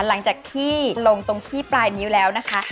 หลังจากที่ลงตรงขี้ปลายนิ้วแล้วนะคะ